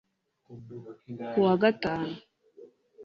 Ku wa Gatanu